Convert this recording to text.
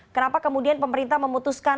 kenapa kemudian pemerintah memutuskan